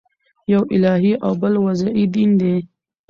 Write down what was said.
یو الهي او بل وضعي دین دئ.